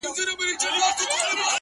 د زمان رحم ـ رحم نه دی؛ هیڅ مرحم نه دی؛